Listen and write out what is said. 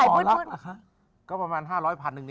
ไม่สมทานักเลย